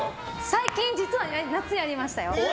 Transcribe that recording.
最近、実は夏やりましたよ。